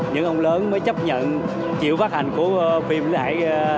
những ông lớn mới chấp nhận chịu phát hành của phim đại